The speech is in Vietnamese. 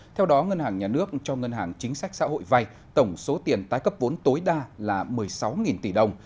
theo đó ngân hàng nhà nước cho ngân hàng chính sách xã hội vay tổng số tiền tái cấp vốn tối đa là một mươi sáu tỷ đồng